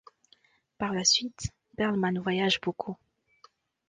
Par la suite, Perlman voyage beaucoup.